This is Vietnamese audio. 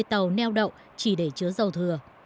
tàu neo đậu chỉ để chứa dầu thừa